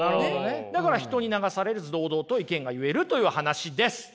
だから人に流されず堂々と意見が言えるという話です。